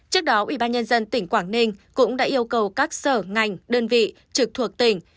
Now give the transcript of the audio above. trước đó ủy ban nhân dân tỉnh quảng ninh cũng đã yêu cầu các sở ngành đơn vị trực thuộc tỉnh